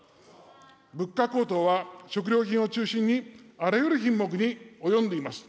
物価高騰は、食料品を中心に、あらゆる品目に及んでいます。